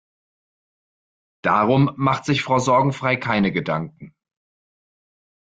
Darum macht sich Frau Sorgenfrei keine Gedanken.